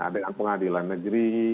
dengan pengadilan negeri